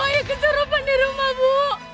ada keserupan di rumah bu